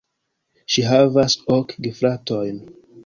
Ŝi havas ok gefratojn.